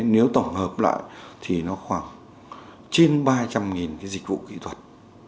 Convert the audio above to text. nếu tổng hợp lại thì nó khoảng trên ba trăm linh cái dịch vụ kỹ thuật